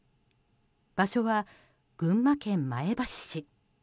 場所は群馬県前橋市。